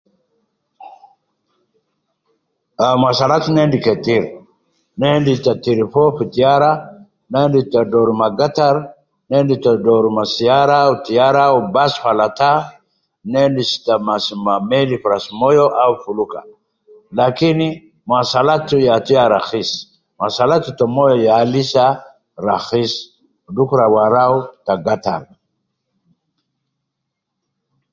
Ahh, muwasalat ne endi ketir, ne endi te tiri foo fi taera, ne endi te doru ma gattar, ne endi te doru me saera au taera au bus falata, ne endis ta masi ma meri fi ras moyo au fuluka, lakin muwasalat yatu ya rakis, muwasalat te moyo ya lisa rakis dukur ab arau ta gattar